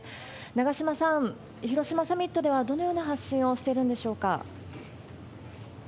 長島さん、広島サミットではどのような発信をしてるんでしょうか？